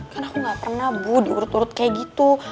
kan aku gak pernah bu diurut urut kayak gitu